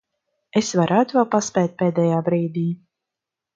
Es varētu vēl paspēt pēdējā brīdī.